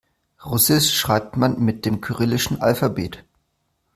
Russisch schreibt man mit dem kyrillischen Alphabet.